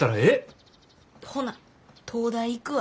ほな東大行くわ。